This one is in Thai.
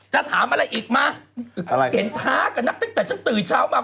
ถามอะไรอีกมาเห็นท้ากับนักตั้งแต่ฉันตื่นเช้ามา